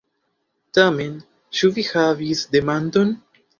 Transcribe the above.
Tamen, ĉu vi havis demandon?